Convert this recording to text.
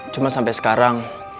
cuma sampai sekarang